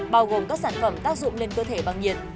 bao gồm các sản phẩm tác dụng lên cơ thể bằng nhiệt